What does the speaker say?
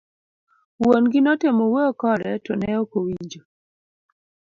Wuon gi notemo wuoyo kode ,to ne ok owinjo.